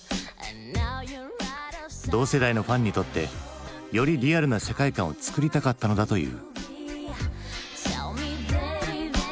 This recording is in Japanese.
同世代のファンにとってよりリアルな世界観を作りたかったのだという。